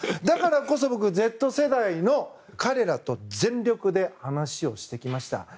だからこそ、僕はＺ世代の彼らと全力で話をしてきました。